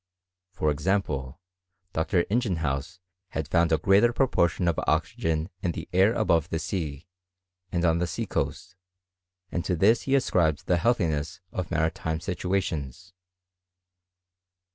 For example. Dr. Ingenhousz had found a greater proportion of oxygen in the air above the sea, and on the sea coast ; and to this he ascribed the healthiness of maritiffie situations.